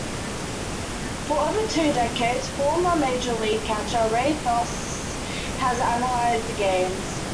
For over two decades former major league catcher, Ray Fosse has analyzed the games.